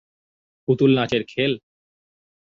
পুতুল নাচের খেল?